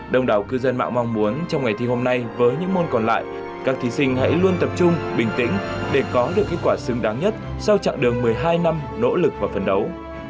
đồng đảo cư dân mạng mong muốn trong ngày thi hôm nay với những môn còn lại các thí sinh hãy luôn tập trung bình tĩnh để có được kết quả xứng đáng nhất sau chặng đường một mươi hai năm nỗ lực và phấn đấu